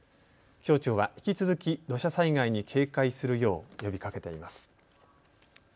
気象庁は引き続き土砂災害に警戒するよう呼びかけています。